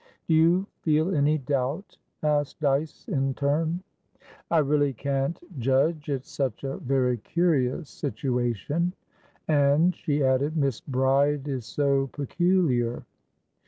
"Do you feel any doubt?" asked Dyce in turn. "I really can't judge. It's such a very curious situationand," she added, "Miss Bride is so peculiar."